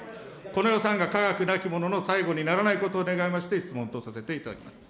この予算が科学なきものの最後にならないことを願いまして質問とさせていただきます。